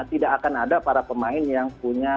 tidak akan ada para pemain yang punya